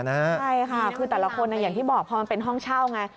ใช่ค่ะคือแต่ละคนอย่างที่บอกพอมันเป็นห้องเช่าไง